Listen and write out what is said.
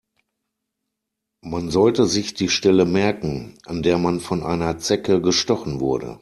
Man sollte sich die Stelle merken, an der man von einer Zecke gestochen wurde.